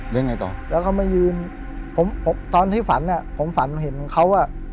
ยังไงต่อแล้วเขามายืนผมผมตอนที่ฝันอ่ะผมฝันเห็นเขาอ่ะ